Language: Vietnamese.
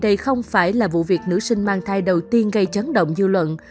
đây không phải là vụ việc nữ sinh mang thai đầu tiên gây chấn động dư luận